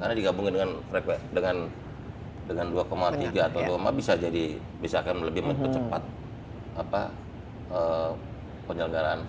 karena digabungin dengan dua tiga atau dua empat bisa jadi bisa akan lebih mengecepat penyelenggaraan lima g